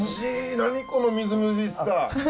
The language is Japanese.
何このみずみずしさ。